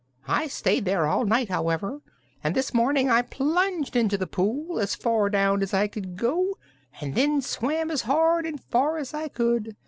I stayed there all night, however, and this morning I plunged into the pool, as far down as I could go, and then swam as hard and as far as I could.